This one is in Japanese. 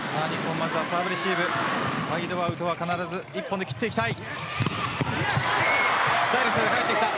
まずはサーブレシーブサイドアウトは必ず１本で切っていきたい。